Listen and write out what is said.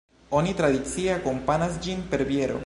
Oni tradicie akompanas ĝin per biero.